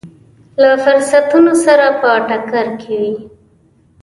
له فرضونو سره په ټکر کې وي.